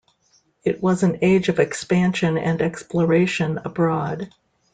It was an age of expansion and exploration abroad.